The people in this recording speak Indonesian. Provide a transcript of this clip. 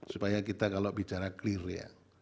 supaya kita kalau bicara clear ya